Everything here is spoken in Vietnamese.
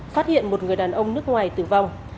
phát hiện một người đàn ông nước ngoài tử vong